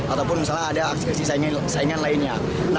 ataupun misalnya ada aksi saingan lainnya